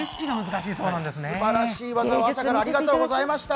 すばらしい技をありがとうございました。